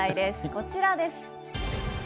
こちらです。